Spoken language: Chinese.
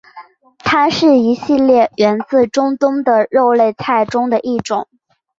它是一系列源自中东的肉类菜中的一种。